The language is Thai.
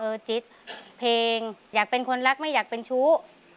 จิตเพลงอยากเป็นคนรักไม่อยากเป็นชู้